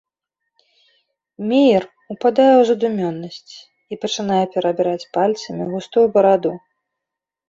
Меер упадае ў задумёнасць і пачынае перабіраць пальцамі густую бараду.